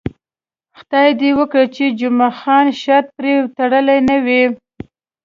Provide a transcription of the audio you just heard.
خدای دې وکړي چې جمعه خان شرط پرې تړلی نه وي.